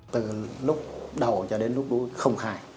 từ lúc đầu cho đến lúc cuối không hài